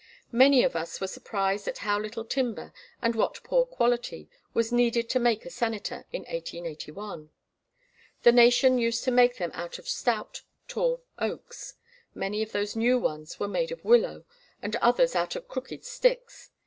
Many of us were surprised at how little timber, and what poor quality, was needed to make a Senator in 1881. The nation used to make them out of stout, tall oaks. Many of those new ones were made of willow, and others out of crooked sticks.